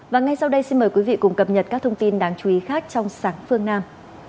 và ngay sau đây xin mời quý vị cùng cập nhật các thông tin đáng chú ý khác trong sáng phương nam